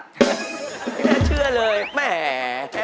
น่าเชื่อเลยแหม